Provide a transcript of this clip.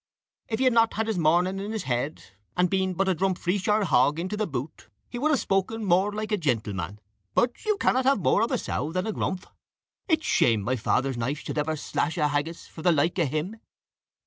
"If he had not had his morning in his head, and been but a Dumfriesshire hog into the boot, he would have spoken more like a gentleman. But you cannot have more of a sow than a grumph. It's shame my father's knife should ever slash a haggis for the like of him."